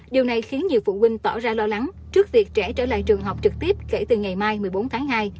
điều này khiến nhiều phụ huynh tỏ ra lo lắng trước việc trẻ trở lại trường học trực tiếp kể từ ngày mai một mươi bốn tháng hai